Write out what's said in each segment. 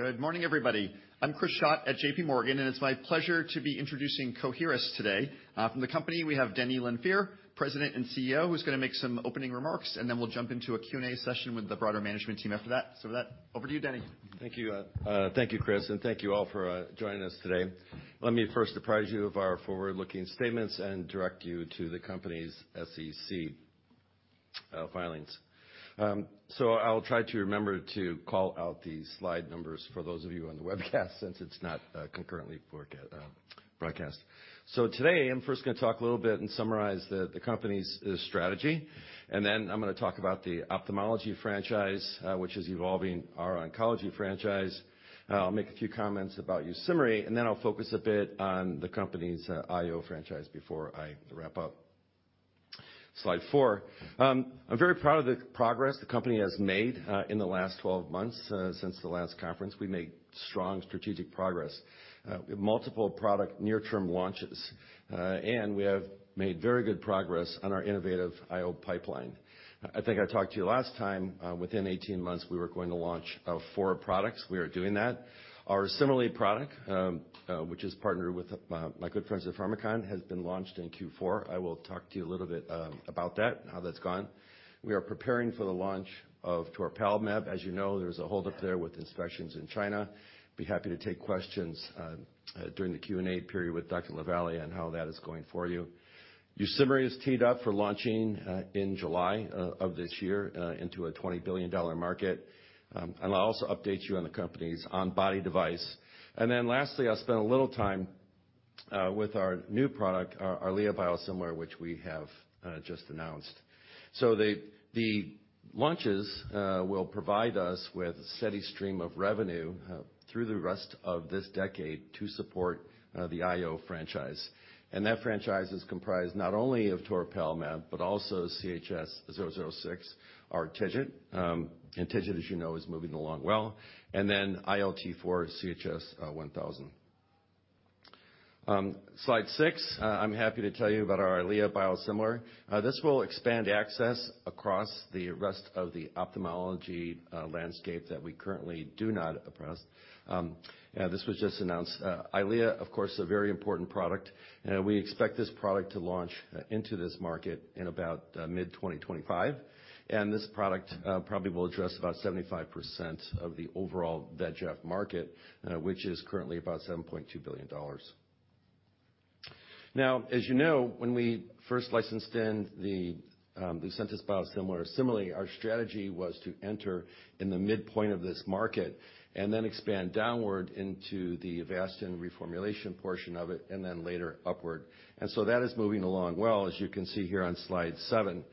Good morning, everybody. I'm Chris Schott at JPMorgan. It's my pleasure to be introducing Coherus today. From the company, we have Denny Lanfear, President and CEO, who's gonna make some opening remarks, and then we'll jump into a Q&A session with the broader management team after that. With that, over to you, Denny. Thank you. Thank you, Chris, and thank you all for joining us today. Let me first apprise you of our forward-looking statements and direct you to the company's SEC filings. I'll try to remember to call out the slide numbers for those of you on the webcast since it's not concurrently for broadcast. Today, I'm first gonna talk a little bit and summarize the company's strategy. Then I'm gonna talk about the ophthalmology franchise, which is evolving our oncology franchise. I'll make a few comments about YUSIMRY, and then I'll focus a bit on the company's IO franchise before I wrap up. Slide four. I'm very proud of the progress the company has made in the last 12 months. Since the last conference, we made strong strategic progress. We have multiple product near-term launches, and we have made very good progress on our innovative IO pipeline. I think I talked to you last time, within 18 months, we were going to launch four products. We are doing that. Our CIMERLI product, which is partnered with my good friends at Pharmakon, has been launched in Q4. I will talk to you a little bit about that and how that's gone. We are preparing for the launch of toripalimab. As you know, there's a hold up there with inspections in China. Be happy to take questions during the Q&A period with Dr. LaVallee on how that is going for you. YUSIMRY is teed up for launching in July of this year into a $20 billion market. I'll also update you on the company's on-body device. Lastly, I'll spend a little time with our new product, our EYLEA biosimilar, which we have just announced. The launches will provide us with a steady stream of revenue through the rest of this decade to support the IO franchise. That franchise is comprised not only of toripalimab, but also CHS-006, our TIGIT. Our TIGIT, as you know, is moving along well. ILT4 CHS-1000. Slide six, I'm happy to tell you about our EYLEA biosimilar. This will expand access across the rest of the ophthalmology landscape that we currently do not address. This was just announced. EYLEA, of course, a very important product. We expect this product to launch into this market in about mid-2025. This product probably will address about 75% of the overall VEGF market, which is currently about $7.2 billion. Now, as you know, when we first licensed in the LUCENTIS biosimilar, similarly, our strategy was to enter in the midpoint of this market and then expand downward into the Avastin reformulation portion of it, and then later upward. That is moving along well, as you can see here on slide seven.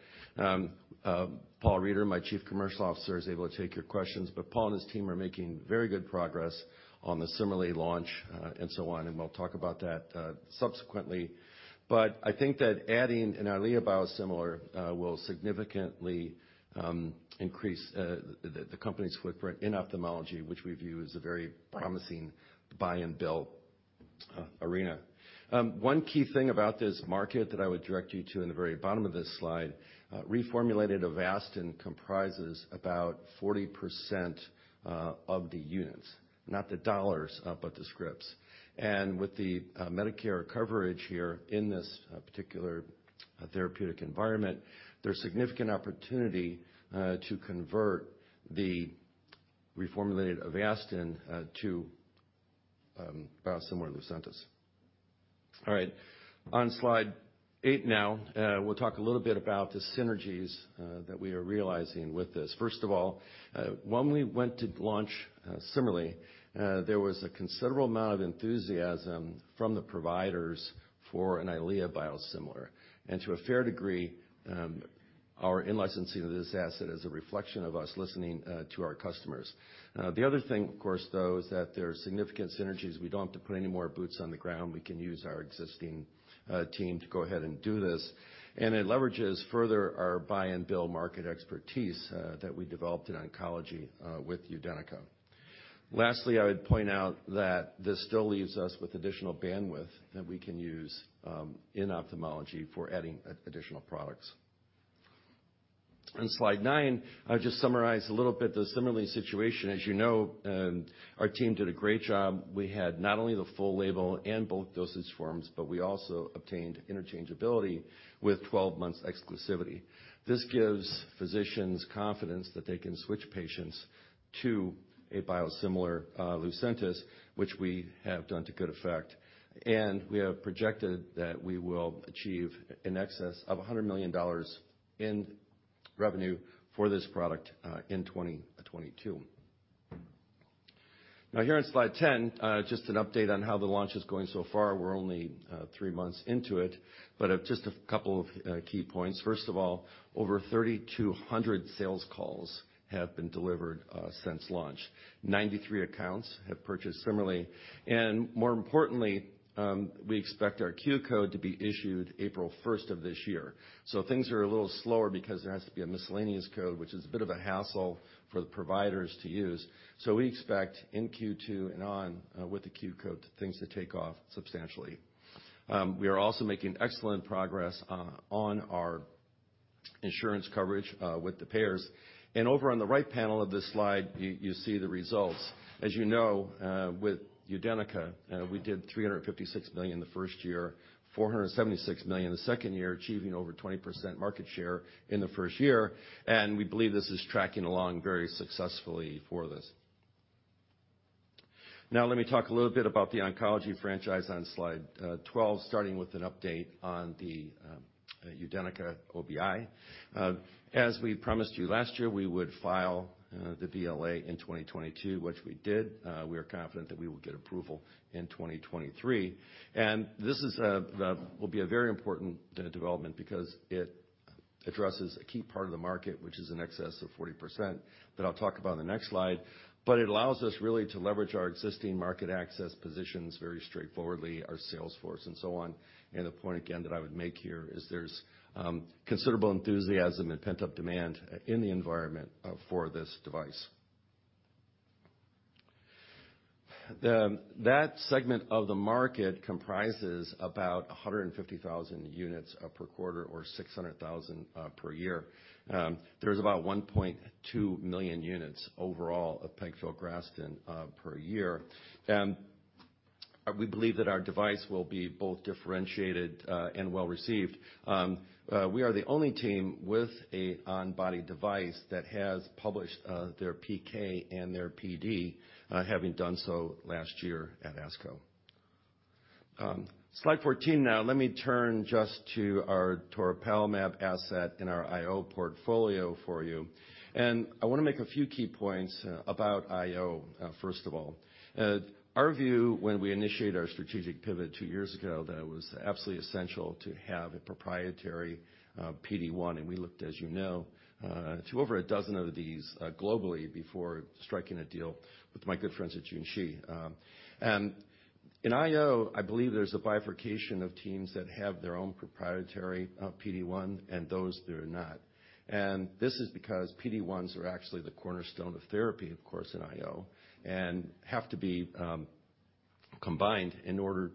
Paul Reider, my Chief Commercial Officer, is able to take your questions, but Paul and his team are making very good progress on the CIMERLI launch, and so on, and we'll talk about that subsequently. I think that adding an EYLEA biosimilar will significantly increase the company's footprint in ophthalmology, which we view as a very promising buy and build arena. One key thing about this market that I would direct you to in the very bottom of this slide, reformulated Avastin comprises about 40% of the units, not the dollars, but the scripts. With the Medicare coverage here in this particular therapeutic environment, there's significant opportunity to convert the reformulated Avastin to biosimilar LUCENTIS. On slide eight now, we'll talk a little bit about the synergies that we are realizing with this. When we went to launch CIMERLI, there was a considerable amount of enthusiasm from the providers for an EYLEA biosimilar. To a fair degree, our in-licensing of this asset is a reflection of us listening to our customers. The other thing, of course, though, is that there are significant synergies. We don't have to put any more boots on the ground. We can use our existing team to go ahead and do this. It leverages further our buy and build market expertise that we developed in oncology with UDENYCA. Lastly, I would point out that this still leaves us with additional bandwidth that we can use in ophthalmology for adding additional products. On slide nine, I'll just summarize a little bit the CIMERLI situation. As you know, our team did a great job. We had not only the full label and both dosage forms, but we also obtained interchangeability with 12 months exclusivity. This gives physicians confidence that they can switch patients to a biosimilar, LUCENTIS, which we have done to good effect. We have projected that we will achieve in excess of $100 million in revenue for this product in 2022. Here on slide 10, just an update on how the launch is going so far. We're only three months into it, but just a couple of key points. First of all, over 3,200 sales calls have been delivered since launch. 93 accounts have purchased CIMERLI. More importantly, we expect our Q code to be issued April 1st of this year. Things are a little slower because there has to be a miscellaneous code, which is a bit of a hassle for the providers to use. We expect in Q2 and on, with the Q code, things to take off substantially. We are also making excellent progress on our insurance coverage with the payers. Over on the right panel of this slide, you see the results. As you know, with UDENYCA, we did $356 million the first year, $476 million the second year, achieving over 20% market share in the first year. We believe this is tracking along very successfully for this. Now, let me talk a little bit about the oncology franchise on slide 12, starting with an update on the UDENYCA OBI. As we promised you last year, we would file the BLA in 2022, which we did. We are confident that we will get approval in 2023. This is will be a very important development because it addresses a key part of the market, which is in excess of 40%, that I'll talk about in the next slide. It allows us really to leverage our existing market access positions very straightforwardly, our sales force and so on. The point again that I would make here is there's considerable enthusiasm and pent-up demand in the environment for this device. That segment of the market comprises about 150,000 units per quarter or 600,000 per year. There is about 1.2 million units overall of pegfilgrastim per year. We believe that our device will be both differentiated and well-received. We are the only team with a on-body device that has published their PK and their PD, having done so last year at ASCO. Slide 14 now, let me turn just to our toripalimab asset in our IO portfolio for you. I wanna make a few key points about IO, first of all. Our view when we initiated our strategic pivot two years ago, that it was absolutely essential to have a proprietary PD-1, and we looked, as you know, to over a dozen of these globally before striking a deal with my good friends at Junshi. In IO, I believe there's a bifurcation of teams that have their own proprietary PD-1 and those that are not. This is because PD-1s are actually the cornerstone of therapy, of course, in IO, and have to be combined in order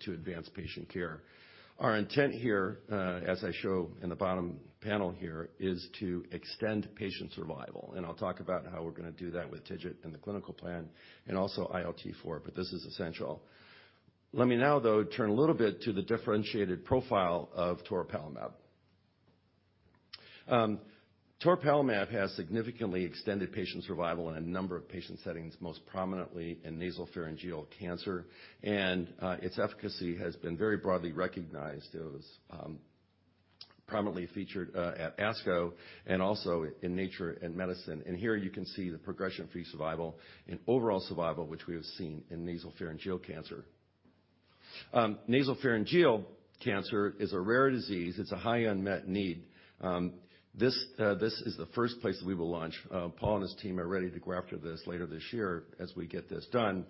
to advance patient care. Our intent here, as I show in the bottom panel here, is to extend patient survival. I'll talk about how we're gonna do that with TIGIT and the clinical plan and also ILT4, but this is essential. Let me now, though, turn a little bit to the differentiated profile of toripalimab. Toripalimab has significantly extended patient survival in a number of patient settings, most prominently in nasopharyngeal cancer, and its efficacy has been very broadly recognized. It was prominently featured at ASCO and also in Nature Medicine. Here you can see the progression-free survival and overall survival, which we have seen in nasopharyngeal cancer. Nasopharyngeal cancer is a rare disease. It's a high unmet need. This is the first place that we will launch. Paul and his team are ready to go after this later this year as we get this done.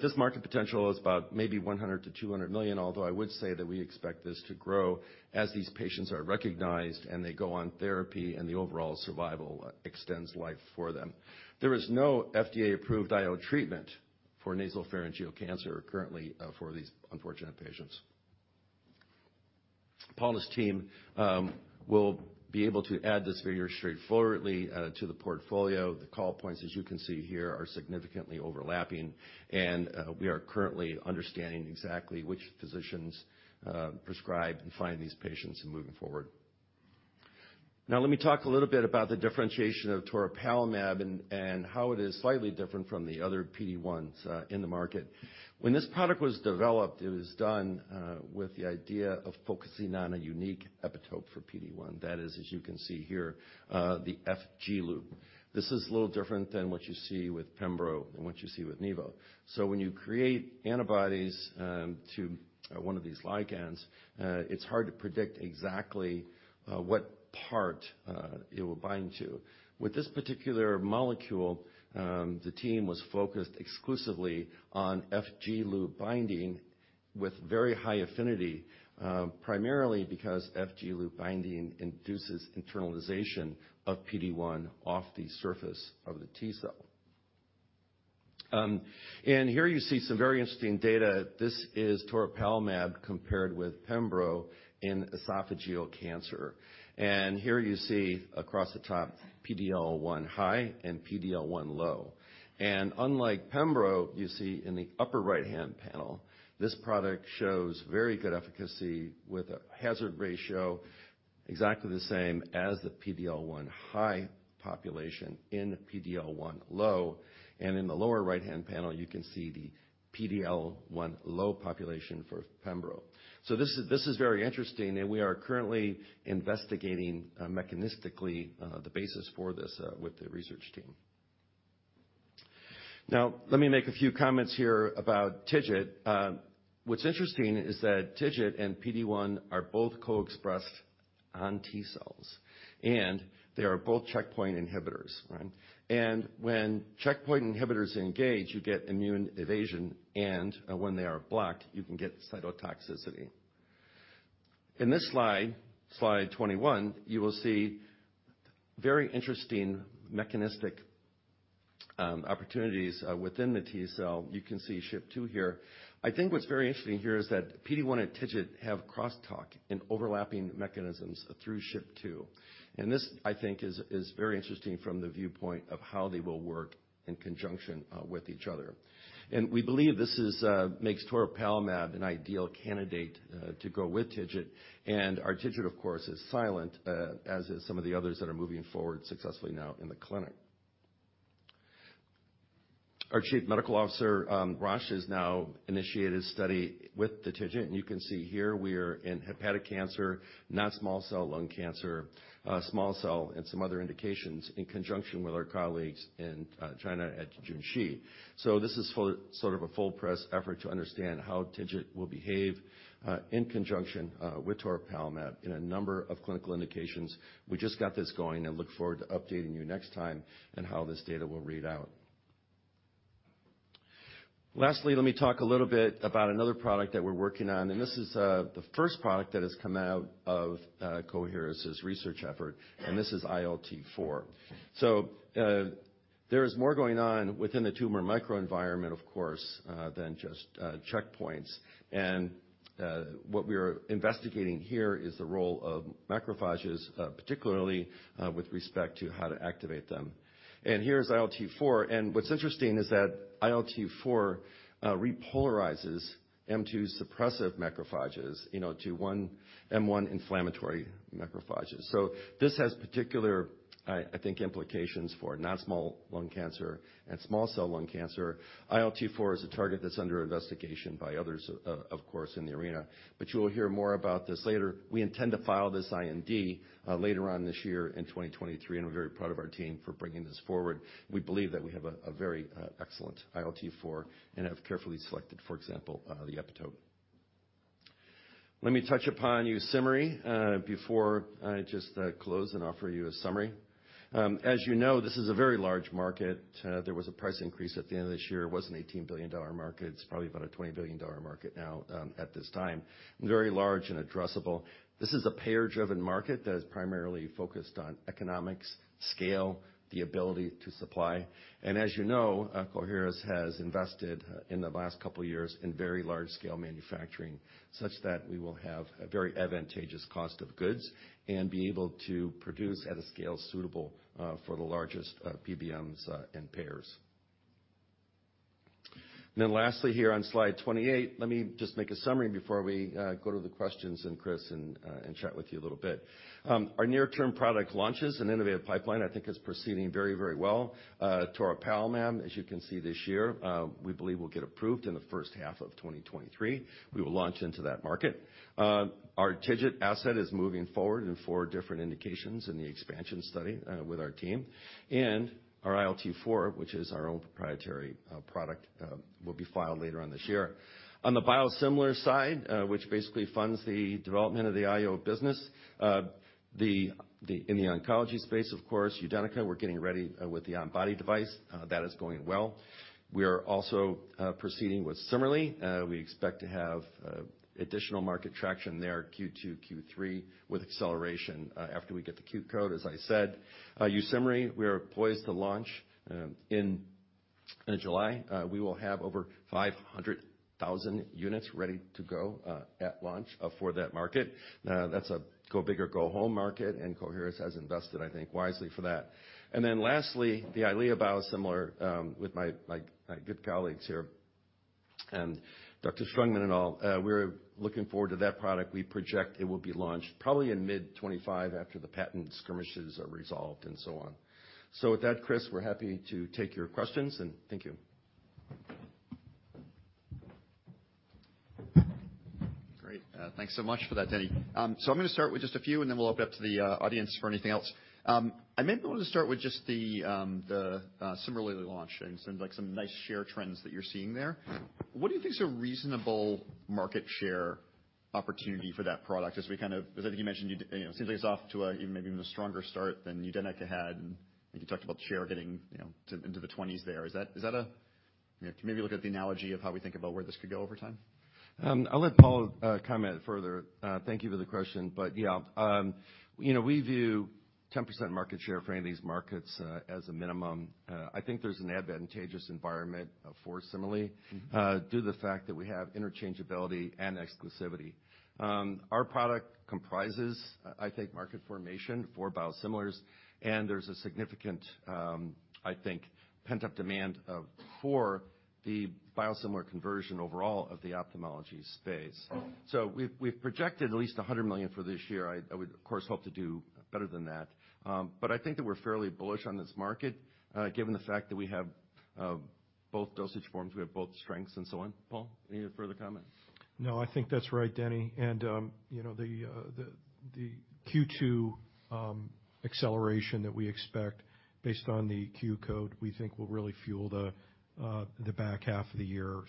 This market potential is about maybe $100 million-$200 million, although I would say that we expect this to grow as these patients are recognized and they go on therapy, and the overall survival extends life for them. There is no FDA-approved IO treatment for nasopharyngeal cancer currently for these unfortunate patients. Paul and his team will be able to add this figure straightforwardly to the portfolio. The call points, as you can see here, are significantly overlapping, we are currently understanding exactly which physicians prescribe and find these patients in moving forward. Let me talk a little bit about the differentiation of toripalimab and how it is slightly different from the other PD-1s in the market. When this product was developed, it was done with the idea of focusing on a unique epitope for PD-1. That is, as you can see here, the FG loop. This is a little different than what you see with pembro and what you see with nivo. When you create antibodies to one of these ligands, it's hard to predict exactly what part it will bind to. With this particular molecule, the team was focused exclusively on FG loop binding with very high affinity, primarily because FG loop binding induces internalization of PD-1 off the surface of the T cell. Here you see some very interesting data. This is toripalimab compared with pembro in esophageal cancer. Here you see across the top PD-L1 high and PD-L1 low. Unlike pembro, you see in the upper right-hand panel, this product shows very good efficacy with a hazard ratio exactly the same as the PD-L1 high population in PD-L1 low. In the lower right-hand panel, you can see the PD-L1 low population for pembro. This is very interesting, and we are currently investigating mechanistically the basis for this with the research team. Now, let me make a few comments here about TIGIT. What's interesting is that TIGIT and PD-1 are both co-expressed on T cells, and they are both checkpoint inhibitors, right? When checkpoint inhibitors engage, you get immune evasion, and when they are blocked, you can get cytotoxicity. In this slide 21, you will see very interesting mechanistic opportunities within the T cell, you can see SHP2 here. I think what's very interesting here is that PD-1 and TIGIT have crosstalk in overlapping mechanisms through SHP2. This, I think, is very interesting from the viewpoint of how they will work in conjunction with each other. We believe this makes toripalimab an ideal candidate to go with TIGIT. Our TIGIT, of course, is silent, as is some of the others that are moving forward successfully now in the clinic. Our Chief Medical Officer, Rosh, has now initiated study with the TIGIT, and you can see here we're in hepatic cancer, non-small cell lung cancer, small cell, and some other indications in conjunction with our colleagues in China at Junshi. this is sort of a full press effort to understand how TIGIT will behave in conjunction with toripalimab in a number of clinical indications. We just got this going and look forward to updating you next time on how this data will read out. Lastly, let me talk a little bit about another product that we're working on, and this is the first product that has come out of Coherus' research effort, and this is ILT4. there is more going on within the tumor microenvironment, of course, than just checkpoints. what we are investigating here is the role of macrophages, particularly with respect to how to activate them. here's ILT4, and what's interesting is that ILT4 repolarizes M2's suppressive macrophages, you know, to one M1 inflammatory macrophages. This has particular, I think, implications for non-small cell lung cancer and small cell lung cancer. ILT4 is a target that's under investigation by others, of course, in the arena, but you will hear more about this later. We intend to file this IND later on this year in 2023, and we're very proud of our team for bringing this forward. We believe that we have a very excellent ILT4 and have carefully selected, for example, the epitope. Let me touch upon YUSIMRY before I just close and offer you a summary. As you know, this is a very large market. There was a price increase at the end of this year. It was an $18 billion market. It's probably about a $20 billion market now at this time, and very large and addressable. This is a payer-driven market that is primarily focused on economics, scale, the ability to supply. As you know, Coherus has invested in the last couple years in very large-scale manufacturing such that we will have a very advantageous cost of goods and be able to produce at a scale suitable for the largest PBMs and payers. Lastly here on slide 28, let me just make a summary before we go to the questions and Chris and chat with you a little bit. Our near-term product launches and innovative pipeline, I think is proceeding very, very well. toripalimab, as you can see this year, we believe will get approved in the first half of 2023. We will launch into that market. Our TIGIT asset is moving forward in four different indications in the expansion study with our team. Our ILT4, which is our own proprietary product, will be filed later on this year. On the biosimilar side, which basically funds the development of the IO business in the oncology space, of course, UDENYCA, we're getting ready with the on-body device. That is going well. We are also proceeding with CIMERLI. We expect to have additional market traction there Q2, Q3, with acceleration after we get the Q code, as I said. YUSIMRY, we are poised to launch in July. We will have over 500,000 units ready to go at launch for that market. That's a go big or go home market. Coherus has invested, I think, wisely for that. Lastly, the EYLEA biosimilar, with my good colleagues here and Dr. Strüngmann and all, we're looking forward to that product. We project it will be launched probably in mid 2025 after the patent skirmishes are resolved and so on. With that, Chris, we're happy to take your questions, and thank you. Great. thanks so much for that, Denny. I'm gonna start with just a few, and then we'll open up to the audience for anything else. I maybe want to start with just the CIMERLI launch. It seems like some nice share trends that you're seeing there. What do you think is a reasonable market share opportunity for that product? Because I think you mentioned, you know, it seems like it's off to a even maybe even a stronger start than UDENYCA had, and I think you talked about share getting, you know, to into the 20s there. Is that a, you know, can you maybe look at the analogy of how we think about where this could go over time? I'll let Paul comment further. Thank you for the question. Yeah, you know, we view 10% market share for any of these markets as a minimum. I think there's an advantageous environment for CIMERLI due to the fact that we have interchangeability and exclusivity. Our product comprises, I think, market formation for biosimilars, and there's a significant, I think, pent-up demand of, for the biosimilar conversion overall of the ophthalmology space. We've projected at least $100 million for this year. I would, of course, hope to do better than that. But I think that we're fairly bullish on this market, given the fact that we have both dosage forms, we have both strengths and so on. Paul, any further comments? No, I think that's right, Denny. You know, the Q2, acceleration that we expect based on the Q code, we think will really fuel the back half of the year.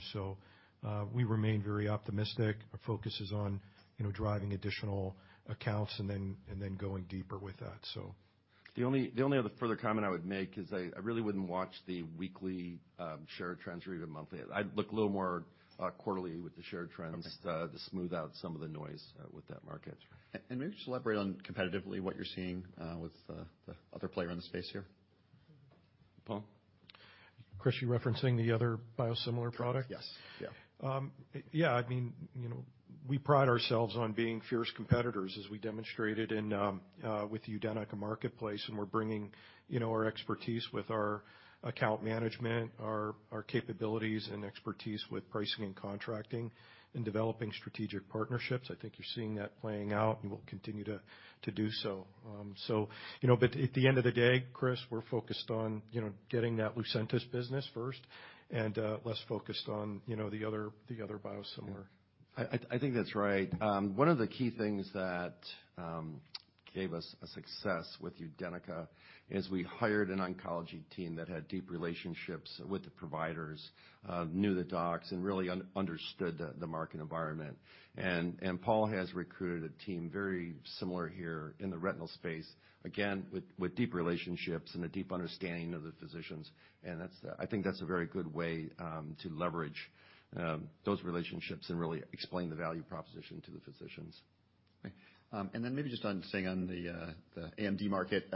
We remain very optimistic. Our focus is on, you know, driving additional accounts and then going deeper with that, so. The only other further comment I would make is I really wouldn't watch the weekly share trends or even monthly. I'd look a little more quarterly with the share trends to smooth out some of the noise, with that market. And maybe just elaborate on competitively what you're seeing, with the other player in the space here? Paul? Chris, you're referencing the other biosimilar product? Yes. Yeah. Yeah, I mean, you know, we pride ourselves on being fierce competitors, as we demonstrated in with UDENYCA marketplace, and we're bringing, you know, our expertise with our account management, our capabilities and expertise with pricing and contracting and developing strategic partnerships. I think you're seeing that playing out, and we'll continue to do so. You know, but at the end of the day, Chris, we're focused on, you know, getting that LUCENTIS business first and less focused on, you know, the other biosimilar. Yeah. I think that's right. One of the key things that gave us a success with UDENYCA is we hired an oncology team that had deep relationships with the providers, knew the docs, and really understood the market environment. Paul has recruited a team very similar here in the retinal space, again, with deep relationships and a deep understanding of the physicians. I think that's a very good way to leverage those relationships and really explain the value proposition to the physicians. Okay. Then maybe just staying on the AMD market,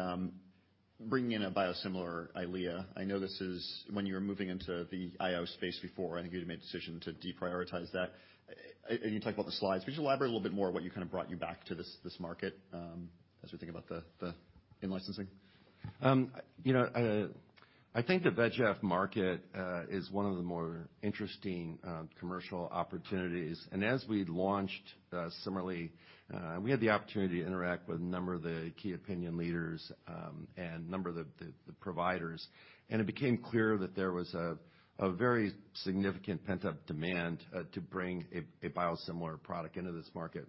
bringing in a biosimilar EYLEA, I know this is when you were moving into the IO space before, I think you had made the decision to deprioritize that. You talked about the slides. Could you elaborate a little bit more what you kind of brought you back to this market, as we think about the in-licensing? You know, I think the VEGF market is one of the more interesting commercial opportunities. As we launched, similarly, we had the opportunity to interact with a number of the key opinion leaders, and number of the providers. It became clear that there was a very significant pent-up demand to bring a biosimilar product into this market.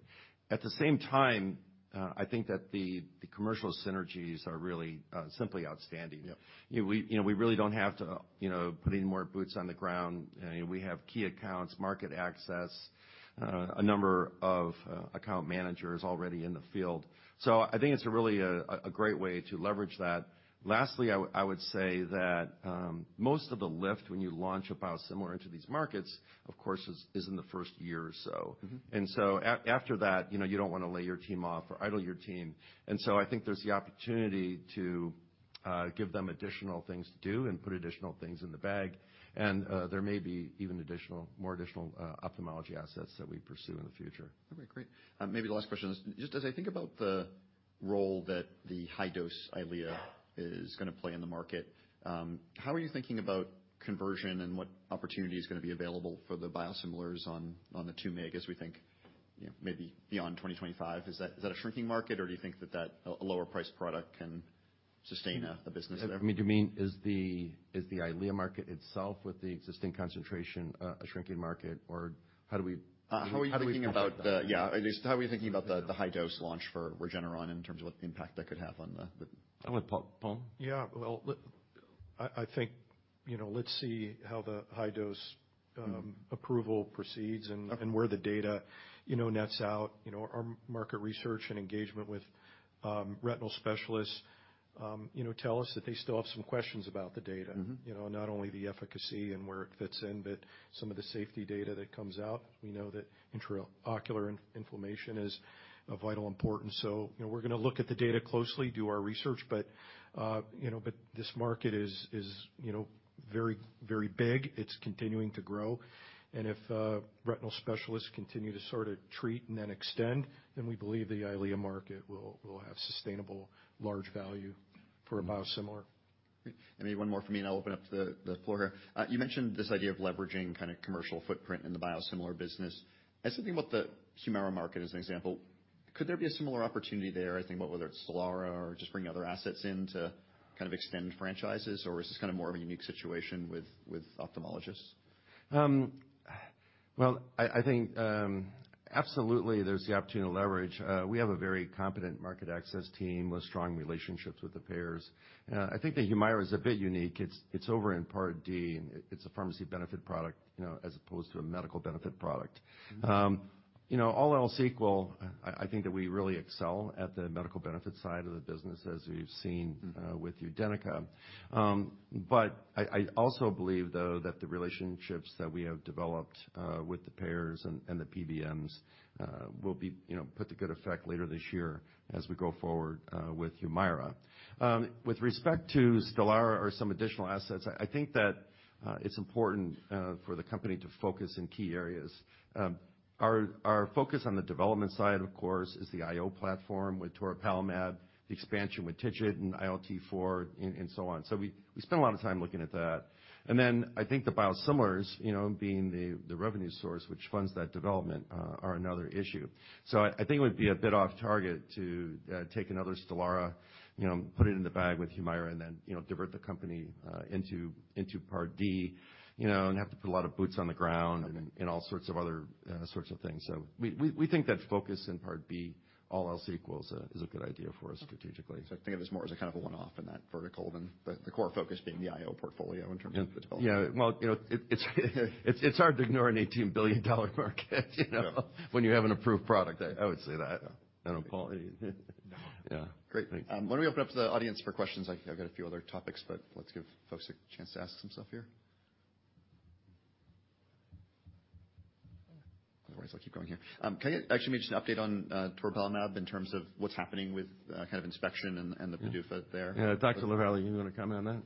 At the same time, I think that the commercial synergies are really simply outstanding. Yeah. You know, we, you know, we really don't have to, you know, put any more boots on the ground. You know, we have key accounts, market access, a number of account managers already in the field. I think it's really a great way to leverage that. Lastly, I would say that most of the lift when you launch a biosimilar into these markets, of course, is in the first year or so. Mm-hmm. After that, you know, you don't wanna lay your team off or idle your team. I think there's the opportunity to give them additional things to do and put additional things in the bag. There may be even additional, more additional, ophthalmology assets that we pursue in the future. Okay, great. Maybe the last question. Just as I think about the role that the high-dose EYLEA is gonna play in the market, how are you thinking about conversion and what opportunity is gonna be available for the biosimilars on the 2-meg as we think, you know, maybe beyond 2025? Is that a shrinking market, or do you think that a lower priced product can sustain a business there? You mean, is the EYLEA market itself with the existing concentration a shrinking market, or how do we? How are you thinking about the high-dose launch for Regeneron in terms of what impact that could have on the? I don't know. Paul? Yeah. Well, I think, you know, let's see how the high dose approval proceeds— Okay. —where the data, you know, nets out. You know, our market research and engagement with retinal specialists, you know, tell us that they still have some questions about the data. Mm-hmm. You know, not only the efficacy and where it fits in, but some of the safety data that comes out. We know that intraocular inflammation is of vital importance. You know, we're gonna look at the data closely, do our research, but, you know, this market is, you know, very, very big. It's continuing to grow. If retinal specialists continue to sort of treat and then extend, then we believe the EYLEA market will have sustainable large value for a biosimilar. Maybe one more from me, and I'll open up the floor here. You mentioned this idea of leveraging kind of commercial footprint in the biosimilar business. As something about the HUMIRA market, as an example, could there be a similar opportunity there, I think about whether it's STELARA or just bringing other assets in to kind of extend franchises, or is this kind of more of a unique situation with ophthalmologists? Well, I think, absolutely there's the opportunity to leverage. We have a very competent market access team with strong relationships with the payers. I think the HUMIRA is a bit unique. It's, it's over in Part D, and it's a pharmacy benefit product, you know, as opposed to a medical benefit product. You know, all else equal, I think that we really excel at the medical benefit side of the business, as we've seen, with UDENYCA. I also believe, though, that the relationships that we have developed, with the payers and the PBMs, will be, you know, put to good effect later this year as we go forward, with HUMIRA. With respect to STELARA or some additional assets, I think that, it's important, for the company to focus in key areas. Our focus on the development side, of course, is the IO platform with toripalimab, the expansion with TIGIT and ILT4 and so on. We spend a lot of time looking at that. I think the biosimilars, you know, being the revenue source which funds that development, are another issue. I think it would be a bit off target to take another STELARA, you know, put it in the bag with HUMIRA, and then, you know, divert the company into Part D, you know, and have to put a lot of boots on the ground— Okay. —and all sorts of other, sorts of things. We think that focus in Part D, all else equals, is a good idea for us strategically. Think of it more as a kind of a one-off in that vertical than the core focus being the IO portfolio in terms of the development. Yeah. Well, you know, it's, it's hard to ignore an $18 billion market, you know? Yeah. When you have an approved product, I would say that. I don't, Paul? Yeah. Great. Why don't we open up to the audience for questions? I got a few other topics, but let's give folks a chance to ask some stuff here. Otherwise, I'll keep going here. Can I get actually maybe just an update on toripalimab in terms of what's happening with kind of inspection and the PDUFA there? Yeah. Dr. LaVallee, you wanna comment on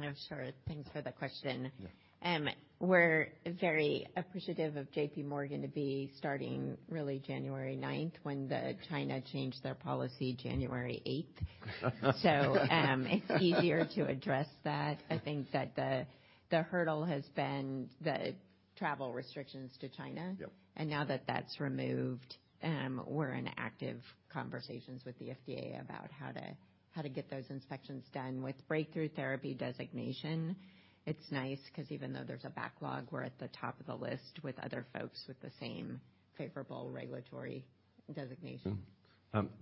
that? Sure. Thanks for the question. Yeah. We're very appreciative of JPMorgan to be starting really January 9th, when the China changed their policy January 8th. It's easier to address that. I think that the hurdle has been the travel restrictions to China. Yep. Now that that's removed, we're in active conversations with the FDA about how to get those inspections done. With Breakthrough Therapy designation, it's nice 'cause even though there's a backlog, we're at the top of the list with other folks with the same favorable regulatory designation.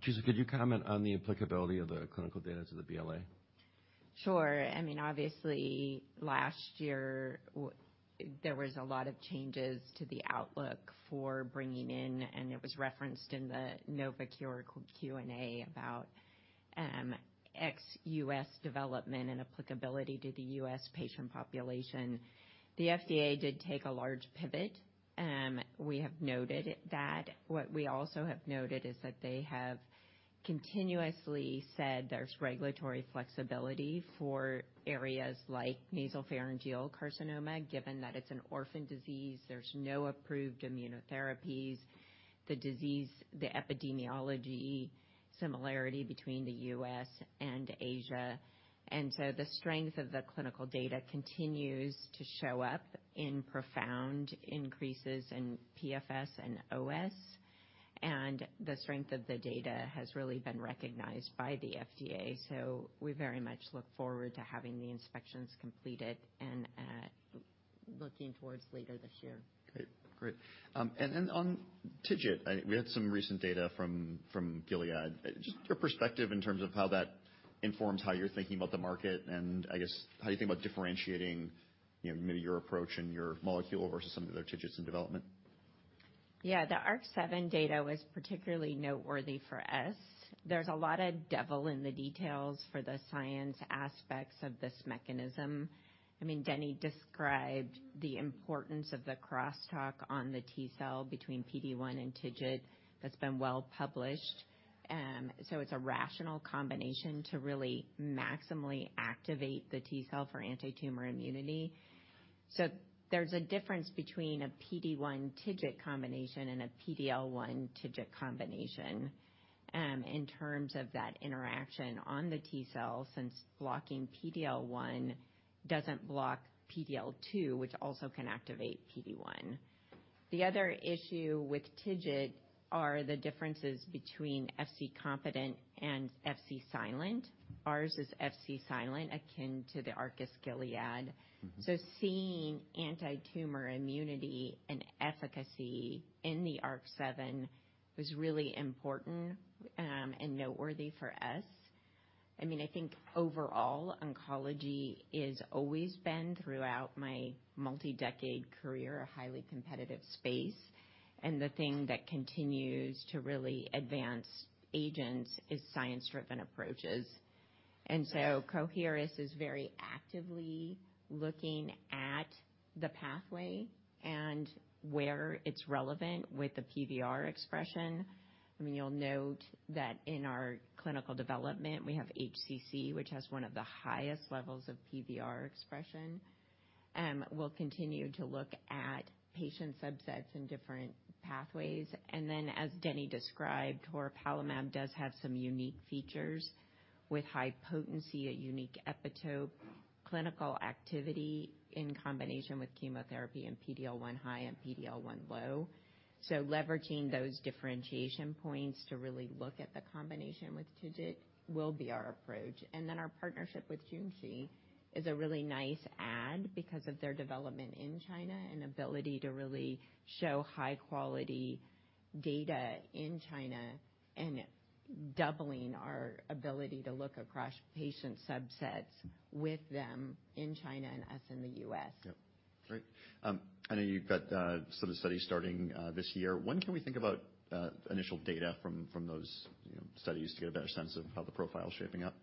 Theresa, could you comment on the applicability of the clinical data to the BLA? Sure. I mean, obviously last year there was a lot of changes to the outlook for bringing in. It was referenced in the Novocure Q&A about ex-U.S. development and applicability to the U.S. patient population. The FDA did take a large pivot. We have noted that. What we also have noted is that they have continuously said there's regulatory flexibility for areas like nasopharyngeal carcinoma, given that it's an orphan disease. There's no approved immunotherapies. The disease, the epidemiology similarity between the U.S. and Asia, the strength of the clinical data continues to show up in profound increases in PFS and OS. The strength of the data has really been recognized by the FDA. We very much look forward to having the inspections completed and at looking towards later this year. Great. Great. Then on TIGIT, we had some recent data from Gilead. Just your perspective in terms of how that informs how you're thinking about the market, and I guess how you think about differentiating, you know, maybe your approach and your molecule versus some of the other TIGITs in development. The ARC-7 data was particularly noteworthy for us. There's a lot of devil in the details for the science aspects of this mechanism. I mean, Denny described the importance of the crosstalk on the T cell between PD-1 and TIGIT that's been well-published. It's a rational combination to really maximally activate the T cell for antitumor immunity. There's a difference between a PD-1 TIGIT combination and a PD-L1 TIGIT combination, in terms of that interaction on the T cell, since blocking PD-L1 doesn't block PD-L2, which also can activate PD-1. The other issue with TIGIT are the differences between Fc-competent and Fc-silent. Ours is Fc-silent, akin to the Arcus-Gilead. Mm-hmm. Seeing antitumor immunity and efficacy in the ARC-7 was really important and noteworthy for us. I think overall, oncology is always been, throughout my multi-decade career, a highly competitive space, and the thing that continues to really advance agents is science-driven approaches. Coherus is very actively looking at the pathway and where it's relevant with the PVR expression. You'll note that in our clinical development, we have HCC, which has one of the highest levels of PVR expression. We'll continue to look at patient subsets and different pathways. As Denny described, toripalimab does have some unique features with high potency, a unique epitope, clinical activity in combination with chemotherapy in PD-L1 high and PD-L1 low. Leveraging those differentiation points to really look at the combination with TIGIT will be our approach. Our partnership with Junshi is a really nice add because of their development in China and ability to really show high quality data in China, and doubling our ability to look across patient subsets with them in China and us in the U.S. Yep. Great. I know you've got sort of studies starting this year. When can we think about initial data from those, you know, studies to get a better sense of how the profile is shaping up?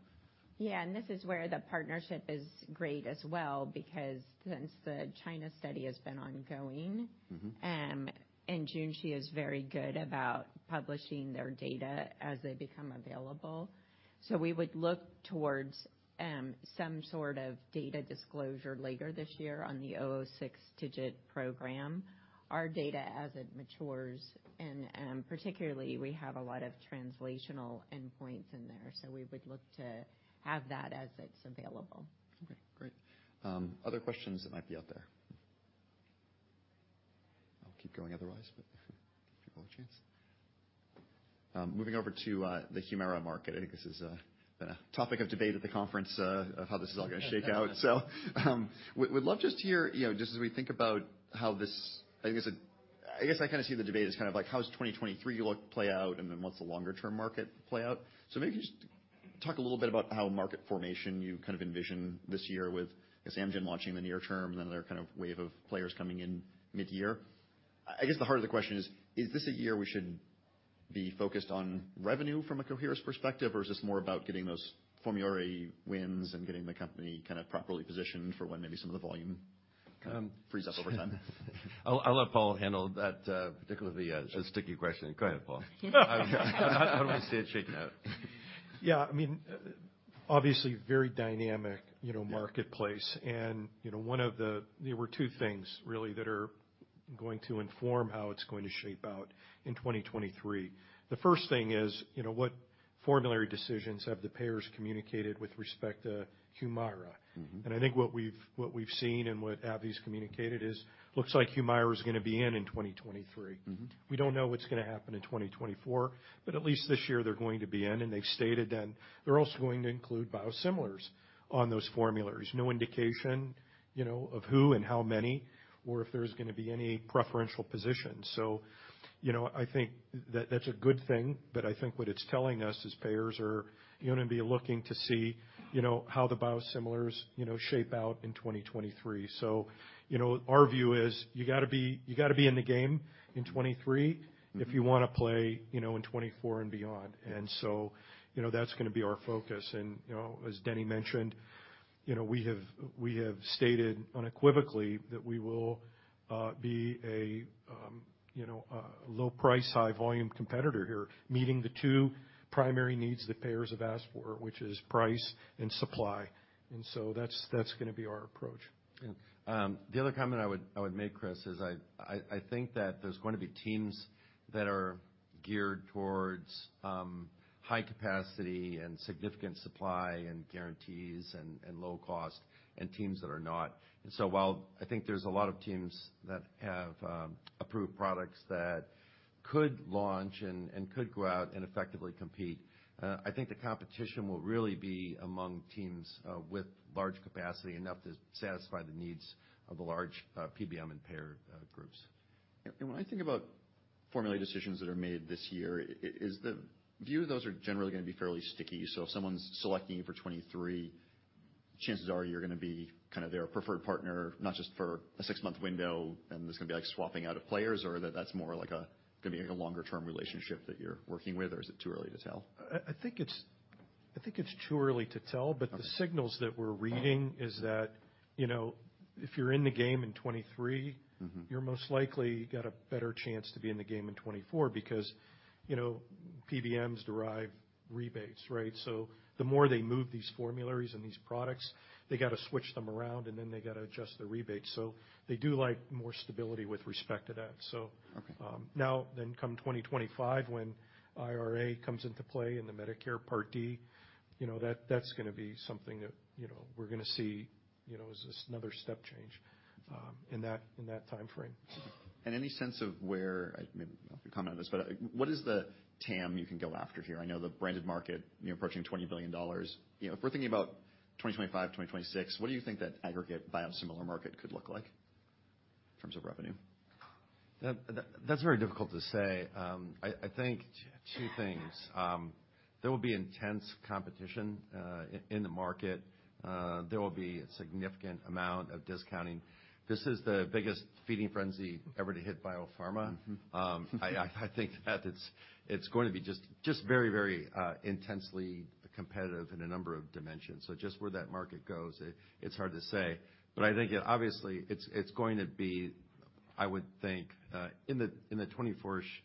Yeah. This is where the partnership is great as well, because since the China study has been ongoing. Mm-hmm. Junshi is very good about publishing their data as they become available. We would look towards some sort of data disclosure later this year on the CHS-006 TIGIT program. Our data as it matures and particularly we have a lot of translational endpoints in there, so we would look to have that as it's available. Okay, great. Other questions that might be out there? I'll keep going otherwise, give people a chance. Moving over to the HUMIRA market. I think this is been a topic of debate at the conference of how this is all gonna shake out. Would love just to hear, you know, just as we think about how this. I guess I kind of see the debate as kind of like how does 2023 look play out, what's the longer term market play out. Maybe can you just talk a little bit about how market formation you kind of envision this year with I guess Amgen launching in the near term, then another kind of wave of players coming in midyear. I guess the heart of the question is this a year we should be focused on revenue from a Coherus perspective, or is this more about getting those formulary wins and getting the company kind of properly positioned for when maybe some of the volume frees up over time? I'll let Paul handle that, particularly as a sticky question. Go ahead, Paul. How do we see it shaking out? Yeah. I mean, obviously very dynamic, you know, marketplace. You know, there were two things really that are going to inform how it's going to shape out in 2023. The first thing is, you know, what formulary decisions have the payers communicated with respect to HUMIRA. Mm-hmm. I think what we've seen and what AbbVie's communicated is looks like HUMIRA is going to be in 2023. Mm-hmm. We don't know what's gonna happen in 2024, but at least this year they're going to be in, and they've stated, and they're also going to include biosimilars on those formularies. No indication, you know, of who and how many or if there's gonna be any preferential position. I think that that's a good thing, but I think what it's telling us is payers are gonna be looking to see, you know, how the biosimilars, you know, shape out in 2023. Our view is you gotta be, you gotta be in the game in 2023 if you wanna play, you know, in 2024 and beyond. That's gonna be our focus. You know, as Denny mentioned, you know, we have stated unequivocally that we will be a, you know, a low price, high volume competitor here, meeting the two primary needs that payers have asked for, which is price and supply. So that's gonna be our approach. The other comment I would make, Chris, is I think that there's gonna be teams that are geared towards high capacity and significant supply and guarantees and low cost, and teams that are not. While I think there's a lot of teams that have approved products that could launch and could go out and effectively compete, I think the competition will really be among teams with large capacity enough to satisfy the needs of the large PBM and payer groups. When I think about formulary decisions that are made this year, is the view those are generally gonna be fairly sticky, so if someone's selecting you for 2023, chances are you're gonna be kind of their preferred partner, not just for a six-month window, and there's gonna be like swapping out of players or that that's more like a gonna be like a longer-term relationship that you're working with, or is it too early to tell? I think it's too early to tell. Okay. The signals that we're reading is that, you know, if you're in the game in 2023— Mm-hmm. —you're most likely got a better chance to be in the game in 2024 because, you know, PBMs derive rebates, right? The more they move these formularies and these products, they gotta switch them around, and then they gotta adjust the rebates. They do like more stability with respect to that. Okay. Come 2025, when IRA comes into play in the Medicare Part D, you know, that's gonna be something that, you know, we're gonna see, you know, as this another step change, in that, in that timeframe. Any sense of where, maybe you don't have to comment on this, but what is the TAM you can go after here? I know the branded market, you know, approaching $20 billion. You know, if we're thinking about 2025, 2026, what do you think that aggregate biosimilar market could look like in terms of revenue? That's very difficult to say. I think two things. There will be intense competition in the market. There will be a significant amount of discounting. This is the biggest feeding frenzy ever to hit biopharma. Mm-hmm. I think that it's going to be just very, very intensely competitive in a number of dimensions. Just where that market goes, it's hard to say. I think obviously it's going to be, I would think, in the 2024-ish,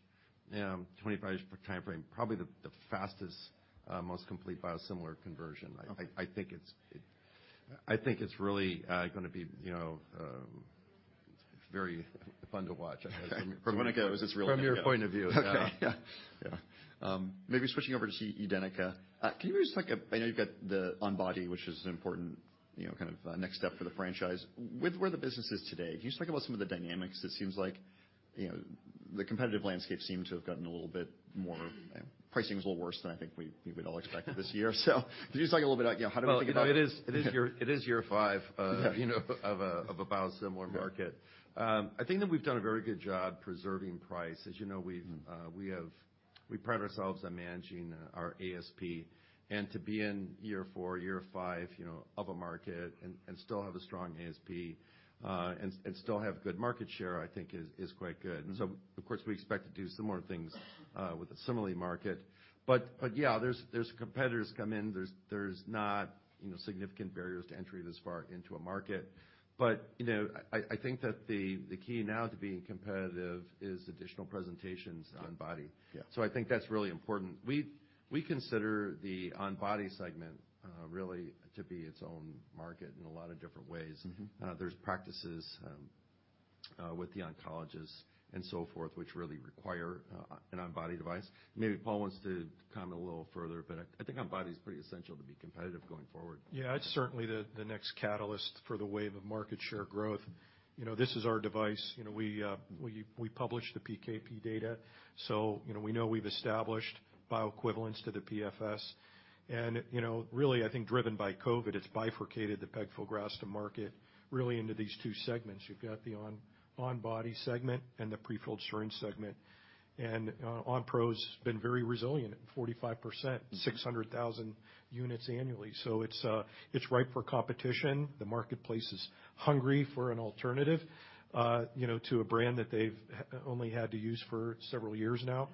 2025-ish timeframe, probably the fastest, most complete biosimilar conversion. Okay. I think it's really, gonna be, you know, very fun to watch— From when it goes, it's really yeah. —from your point of view. Okay. Yeah. Maybe switching over to UDENYCA. Can you just talk. I know you've got the on-body, which is an important, you know, kind of next step for the franchise. With where the business is today, can you just talk about some of the dynamics? It seems like, you know, the competitive landscape seemed to have gotten a little bit more. Pricing was a little worse than I think we would all expected this year. Can you just talk a little bit, you know, how do we think about. Well, you know, it is year five of, you know, of a biosimilar market. I think that we've done a very good job preserving price. As you know, we've we pride ourselves on managing our ASP. To be in year four, year five, you know, of a market and still have a strong ASP, and still have good market share, I think is quite good. Mm-hmm. Of course, we expect to do similar things with the CIMERLI market. Yeah, there's competitors come in. There's, there's not, you know, significant barriers to entry this far into a market. You know, I think that the key now to being competitive is additional presentations on body. Yeah. I think that's really important. We consider the on-body segment really to be its own market in a lot of different ways. Mm-hmm. There's practices with the oncologists and so forth, which really require an on-body device. Maybe Paul wants to comment a little further, but I think on-body is pretty essential to be competitive going forward. Yeah. It's certainly the next catalyst for the wave of market share growth. You know, this is our device. You know, we published the PK/PD data, so, you know, we know we've established bioequivalence to the PFS. You know, really, I think driven by COVID, it's bifurcated the pegfilgrastim market really into these two segments. You've got the on-body segment and the prefilled syringe segment. Onpro's been very resilient at 45%, 600,000 units annually. So it's ripe for competition. The marketplace is hungry for an alternative, you know, to a brand that they've only had to use for several years now.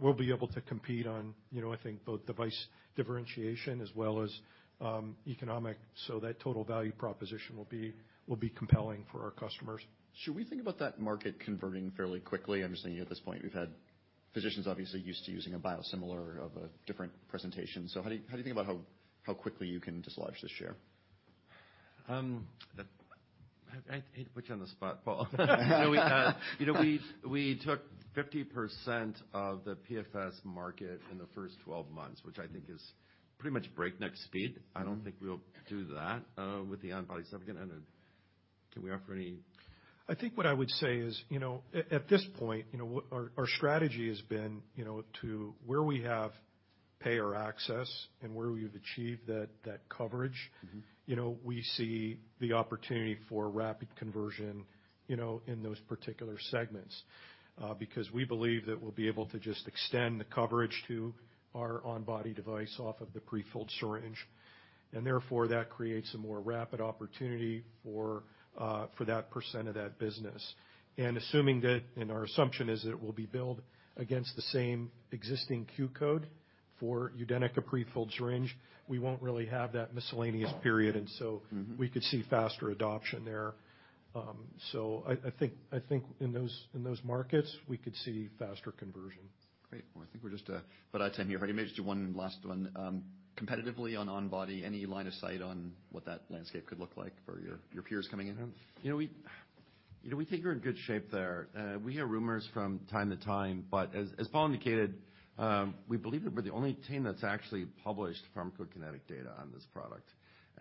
We'll be able to compete on, you know, I think both device differentiation as well as economic, so that total value proposition will be compelling for our customers. Should we think about that market converting fairly quickly? I'm just thinking at this point, we've had Physicians obviously used to using a biosimilar of a different presentation. How do you think about how quickly you can dislodge the share? I hate to put you on the spot, Paul. You know, we took 50% of the PFS market in the first 12 months, which I think is pretty much breakneck speed. I don't think we'll do that with the on body segment. Can we offer any? I think what I would say is, you know, at this point, you know, what our strategy has been, you know, to where we have payer access and where we've achieved that coverage. Mm-hmm. You know, we see the opportunity for rapid conversion, you know, in those particular segments, because we believe that we'll be able to just extend the coverage to our on-body device off of the prefilled syringe, and therefore that creates a more rapid opportunity for that % of that business. Assuming that, our assumption is that it will be billed against the same existing Q code for UDENYCA prefilled syringe, we won't really have that miscellaneous period. Mm-hmm. We could see faster adoption there. I think in those markets, we could see faster conversion. Great. Well, I think we're just about out of time here. Maybe just do one last one. Competitively on body, any line of sight on what that landscape could look like for your peers coming in? You know, we, you know, we think we're in good shape there. We hear rumors from time to time. As Paul indicated, we believe that we're the only team that's actually published pharmacokinetic data on this product.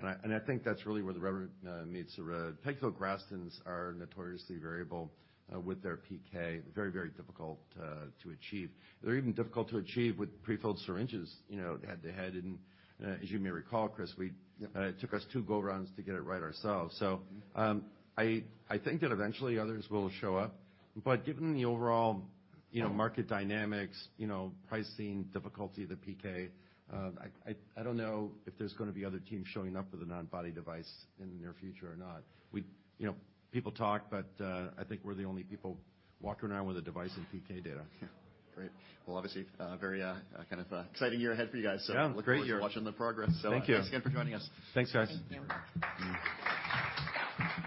I think that's really where the rubber meets the road. pegfilgrastims are notoriously variable with their PK. Very, very difficult to achieve. They're even difficult to achieve with prefilled syringes, you know, head to head. As you may recall, Chris, it took us two go rounds to get it right ourselves. I think that eventually others will show up. Given the overall, you know, market dynamics, you know, pricing difficulty of the PK, I don't know if there's gonna be other teams showing up with a on-body device in the near future or not. You know, people talk, but, I think we're the only people walking around with a device and PK data. Yeah. Great. Well, obviously, very, kind of, exciting year ahead for you guys. Yeah. Great year. Look forward to watching the progress. Thank you. Thanks again for joining us. Thanks, guys. Thank you